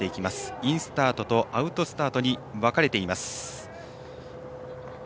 インスタートとアウトスタートに分かれています。